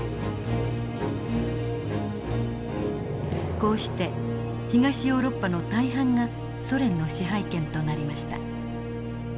こうして東ヨーロッパの大半がソ連の支配圏となりました。